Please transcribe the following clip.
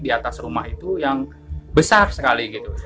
di atas rumah itu yang besar sekali gitu